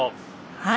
はい！